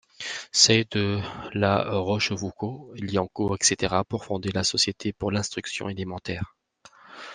Say, de La Rochefoucault-Liancourt, etc., pour fonder la Société pour l'instruction élémentaire.